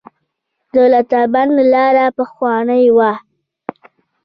د لاتابند لاره پخوانۍ وه